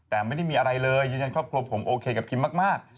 แต่ไม่ได้มีอะไรเลยยืนยันครอบครัวผมโอเคกับคิมมาก